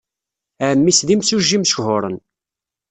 Ɛemmi-s d imsujji mechuṛen.